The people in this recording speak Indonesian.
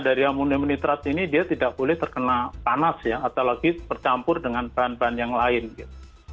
dari amunium nitrat ini dia tidak boleh terkena panas ya apalagi bercampur dengan bahan bahan yang lain gitu